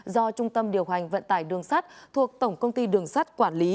do trung tâm điều hành vận tải đường sắt thuộc tổng công ty đường sắt